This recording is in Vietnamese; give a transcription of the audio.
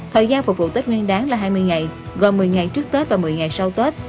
thời gian phục vụ tết nguyên đáng là hai mươi ngày gồm một mươi ngày trước tết và một mươi ngày sau tết